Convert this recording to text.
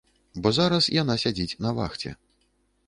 Бо зараз яна сядзіць на вахце.